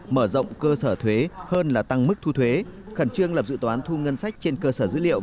mở rộng cơ sở thuế hơn là tăng mức thu thuế khẩn trương lập dự toán thu ngân sách trên cơ sở dữ liệu